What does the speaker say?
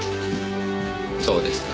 そうですか。